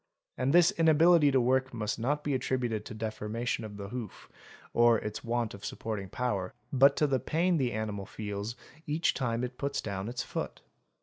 And this inability to work must not be attributed to defor mation of the hoof, or its want of supporting power, but to the pain the animal feels each time it puts down its foot.